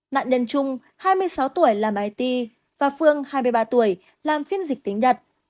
nạn nhân trung hai mươi sáu tuổi làm it và phương hai mươi ba tuổi làm phiên dịch tính nhật